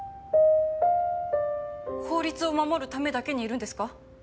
法律を守るためだけにいるんですか？